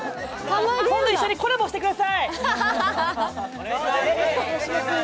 今度一緒にコラボしてください。